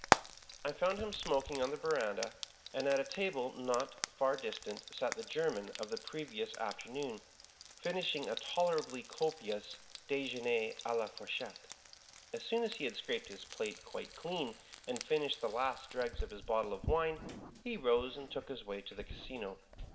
I found him smoking in the veranda, and at a table not far distant sat the German of the previous aft ernoon, finishing a tolerably copious dejeikier d la four chette. Ab soon as he had scraped his plate quite clean and finished the last dregs of his bottle of wine, he rose and took his way to the Casino.